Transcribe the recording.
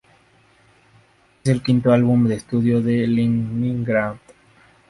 Es el quinto álbum de estudio de Leningrad.